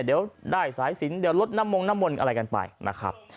เดี๋ยวได้สายสินเดี๋ยวลดน้ำมงน้ำมนต์อะไรกันไปนะครับ